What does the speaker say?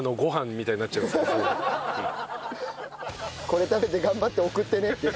これ食べて頑張って送ってねって。